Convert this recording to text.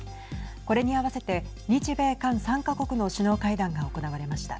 これに合わせて日米韓３か国の首脳会談が行われました。